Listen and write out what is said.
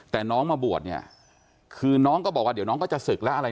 แต่น้องมาบวชเนี่ยคือน้องก็บอกว่าเดี๋ยวน้องก็จะศึกแล้วอะไร